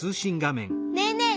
ねえねえ